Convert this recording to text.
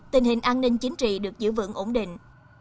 tình hình an ninh chính trị được giữ vững ổn định